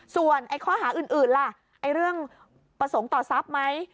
ส่วนข้อหาอื่นล่ะเรื่องประสงค์ต่อทรัพย์ไหม